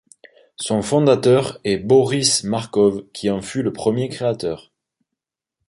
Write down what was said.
Son fondateur est Boris Markov qui en fut le premier directeur.